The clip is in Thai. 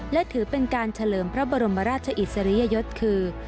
และถือเป็นการเฉลิมพระบรมราชอิสริยยศคือ